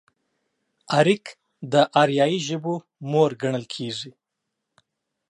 اريک د اريايي ژبو مور ګڼل کېږي.